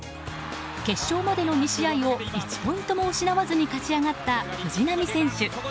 決勝までの２試合を１ポイントも失わずに勝ち上がった、藤波選手。